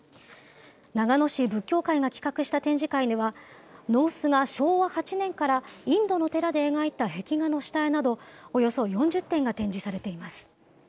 長野市仏教会が企画した展示会には、野生司が昭和８年からインドの寺で描いた壁画の下絵など、およそ４０点が展示されています。